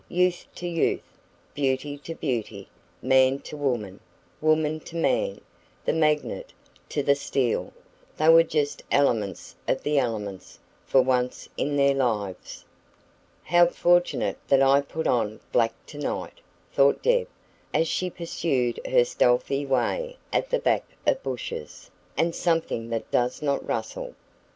Youth to youth, beauty to beauty, man to woman, woman to man, the magnet to the steel they were just elements of the elements, for once in their lives. "How fortunate that I put on black tonight," thought Deb, as she pursued her stealthy way at the back of bushes "and something that does not rustle!"